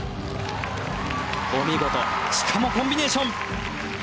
しかもコンビネーション。